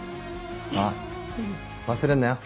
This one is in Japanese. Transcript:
ああ忘れんなよ。